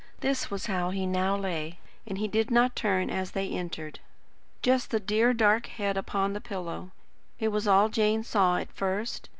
This was how he now lay, and he did not turn as they entered. Just the dear dark head upon the pillow. It was all Jane saw at first.